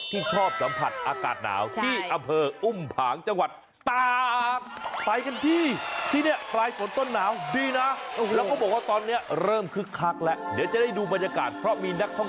ที่ชอบสัมผัสอากาศหนาว